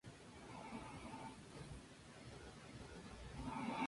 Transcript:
London; Pl.